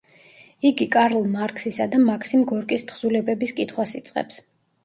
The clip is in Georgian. იგი კარლ მარქსისა და მაქსიმ გორკის თხზულებების კითხვას იწყებს.